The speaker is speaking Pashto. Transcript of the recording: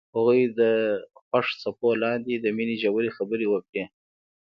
هغوی د خوښ څپو لاندې د مینې ژورې خبرې وکړې.